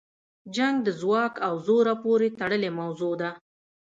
جنګ د ځواک او زوره پورې تړلې موضوع ده.